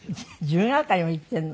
自由が丘にも行っているの？